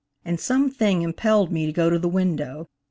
and some thing impelled me to go to the window.